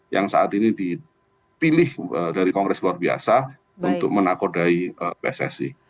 yang saat ini dipilih dari kongres luar biasa untuk menakodai pssi